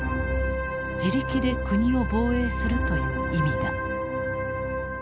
自力で国を防衛するという意味だ。